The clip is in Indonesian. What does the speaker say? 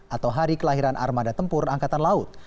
atau hari kelahiran armada tempur angkatan laut